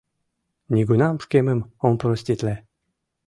Нигунам шкемым ом проститле!